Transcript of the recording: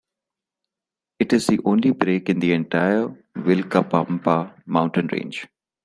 It is the only break in the entire Willkapampa mountain range.